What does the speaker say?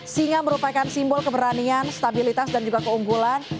singa merupakan simbol keberanian stabilitas dan juga keunggulan